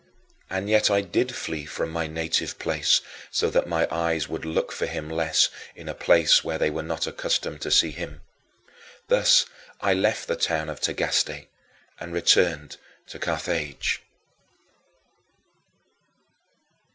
And yet I did flee from my native place so that my eyes would look for him less in a place where they were not accustomed to see him. Thus I left the town of Tagaste and returned to Carthage.